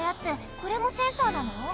これもセンサーなの？